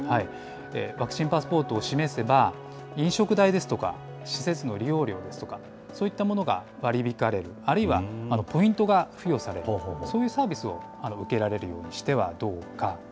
ワクチンパスポートを示せば、飲食代ですとか、施設の利用料ですとか、そういったものが割り引かれる、あるいはポイントが付与される、そういうサービスを受けられるようにしてはどうか。